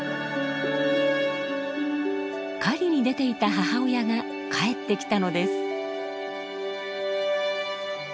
狩りに出ていた母親が帰ってきたのです。